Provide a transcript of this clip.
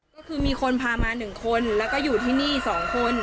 ก็คือมีคนพามา๑คนแล้วก็อยู่ที่นี่๒คน